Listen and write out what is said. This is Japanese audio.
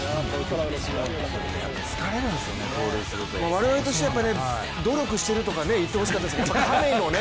我々としては努力してるとか言ってほしかったですけど。